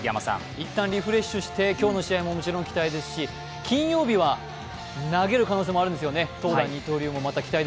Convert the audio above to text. いったんリフレッシュして今日の試合ももちろん期待ですし金曜日は投げる可能性もあるんですよね。